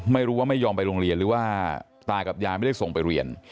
ไม่ยอมไปโรงเรียนหรือว่าตากับยายไม่ได้ส่งไปเรียน